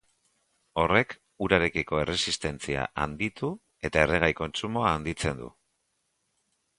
Horrek urarekiko erresistentzia handitu eta erregai kontsumoa handitzen du.